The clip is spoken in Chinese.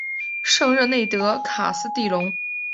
圣热内德卡斯蒂隆。